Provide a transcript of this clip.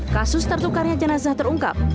kasus tertukarnya jenazah terungkap